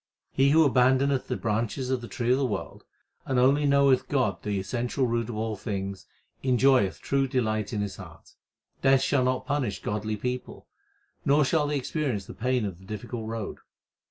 He who abandoneth the branches of the tree of the world, 1 and only knoweth God the essential root of all things, enjoy eth true delight in his heart. Death shall not punish godly people, Nor shall they experience the pain of the difficult road.